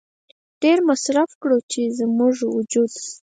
ډېر مصرف کړو چې زموږ وجود